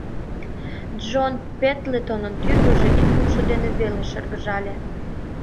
Джон Пендлетонын тӱрвыжӧ ик лукшо дене веле шыргыжале.